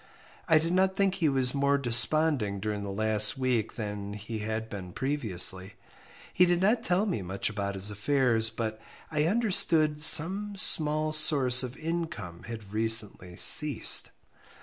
I did not think he was more desponding during the last week than he had been previously. He did not tell me much about his affairs, but I understood some small source of income had recently ceased.